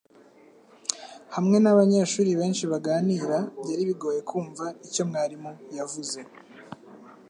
Hamwe nabanyeshuri benshi baganira, byari bigoye kumva icyo mwarimu yavuze